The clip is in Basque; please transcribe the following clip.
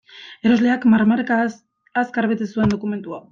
Erosleak marmarka, azkar bete zuen dokumentua.